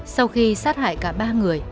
sau khi sát hại cả ba người